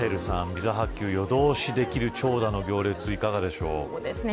ビザ発給、夜通しできる長蛇の行列いかがですか。